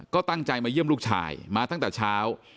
ก็ตั้งใจมาเยี่ยมลูกชายมาตั้งแต่เช้า